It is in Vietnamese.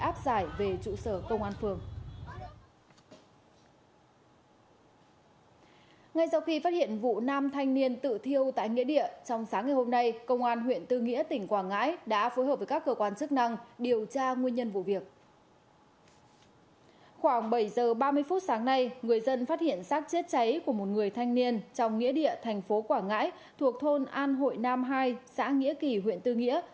ba mươi phút sáng nay người dân phát hiện sát chết cháy của một người thanh niên trong nghĩa địa thành phố quảng ngãi thuộc thôn an hội nam hai xã nghĩa kỳ huyện tư nghĩa